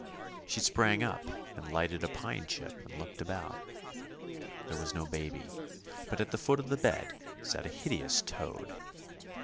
She sprang up and lighted a pine chip and looked about. There was no baby, but at the foot of the bed sat a hideous toad.